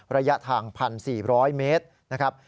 ระยะทาง๑๔๐๐เมตรนะครับ